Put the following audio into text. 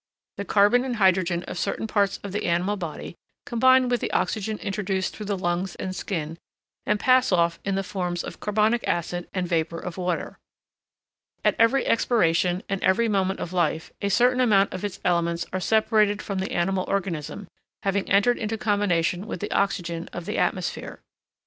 The carbon and hydrogen of certain parts of the animal body combine with the oxygen introduced through the lungs and skin, and pass off in the forms of carbonic acid and vapour of water. At every expiration and every moment of life, a certain amount of its elements are separated from the animal organism, having entered into combination with the oxygen of the atmosphere.